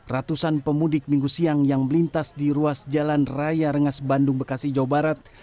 ratusan pemudik minggu siang yang melintas di ruas jalan raya rengas bandung bekasi jawa barat